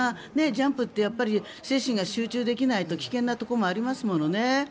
ジャンプってやっぱり精神が集中できないと危険なところもありますものね。